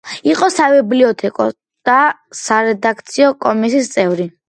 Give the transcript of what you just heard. იყო საბიბლიოთეკო და სარედაქციო კომისიის წევრი.